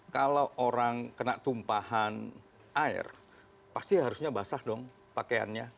kalau orang kena tumpahan air pasti harusnya basah dong pakaiannya